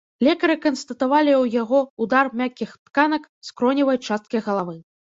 Лекары канстатавалі у яго удар мяккіх тканак скроневай часткі галавы.